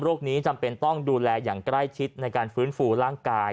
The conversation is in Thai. นี้จำเป็นต้องดูแลอย่างใกล้ชิดในการฟื้นฟูร่างกาย